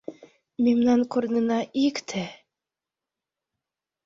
Мемнан корнына икте...